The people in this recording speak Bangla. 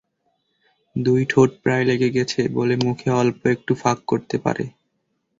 দুই ঠোঁট প্রায় লেগে গেছে বলে মুখ অল্প একটু ফাঁক করতে পারে।